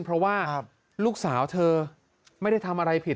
เพราะว่าลูกสาวเธอไม่ได้ทำอะไรผิด